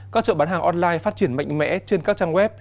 các chợ bán hàng online phát triển mạnh mẽ trên các trang web